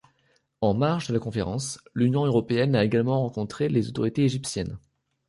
En marge de la conférence, l’Union européenne a également rencontré les autorités égyptiennes.